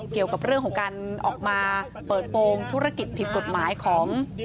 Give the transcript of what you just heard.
เกี่ยวกับเรื่องของการออกมาเปิดโปรงธุรกิจผิดกฎหมายของ